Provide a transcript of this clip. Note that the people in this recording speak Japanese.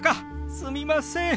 すみません。